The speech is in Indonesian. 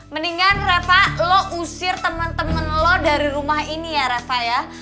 mendingan reva lo usir temen temen lo dari rumah ini ya reva ya